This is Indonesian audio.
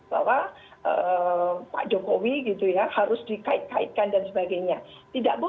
bahwa pak jokowi gitu ya harus dikait kaitkan dan sebagainya